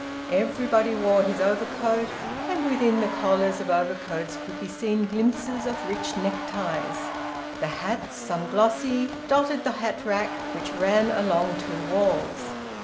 Everybody wore his overcoat, and within the collars of overcoats could be seen glimpses of rich neckties; the hats, some glossy, dotted the hat rack which ran along two walls.